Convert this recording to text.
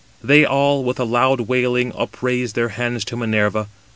They all, with a loud wailing, upraised their hands to Minerva.